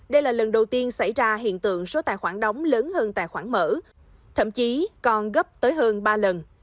đây là lần đầu tiên xảy ra hiện tượng số tài khoản đóng lớn hơn tài khoản mở thậm chí còn gấp tới hơn ba lần